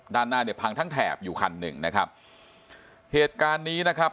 ด้านหน้าเนี่ยพังทั้งแถบอยู่คันหนึ่งนะครับเหตุการณ์นี้นะครับ